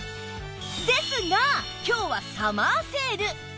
ですが今日はサマーセール！